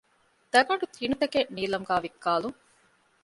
ދަގަނޑު ޓިނުތަކެއް ނީލަމްގައި ވިއްކާލުން